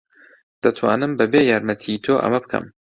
دەتوانم بەبێ یارمەتیی تۆ ئەمە بکەم.